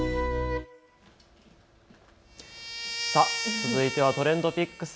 続いてはＴｒｅｎｄＰｉｃｋｓ。